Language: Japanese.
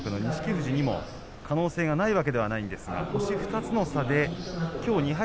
富士にも可能性がないわけではないんですが星２つの差できょう２敗